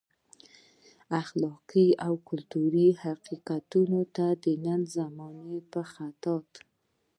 اخلاقي او کلتوري حقیقتونو ته د نن زمانې په خیاط.